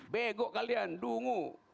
begok kalian dungu